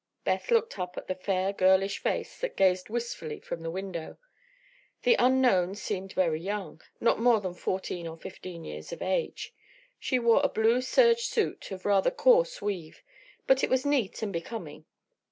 Beth looked up at the fair, girlish face that gazed wistfully from the window. The unknown seemed very young not more than fourteen or fifteen years of age. She wore a blue serge suit of rather coarse weave, but it was neat and becoming.